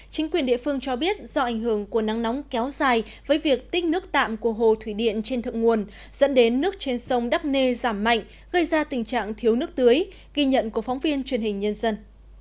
chính quyền địa phương cho biết do ảnh hưởng của nắng nóng kéo dài với việc tích nước tạm của hồ thủy điện trên thượng nguồn dẫn đến nước trên sông đắp nê giảm mạnh gây ra tình trạng thiếu nước tưới ghi nhận của phóng viên truyền hình nhân dân